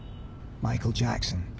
マイケル・ジャクソンだ。